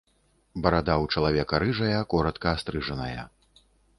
Барада ў чалавека рыжая, каротка астрыжаная.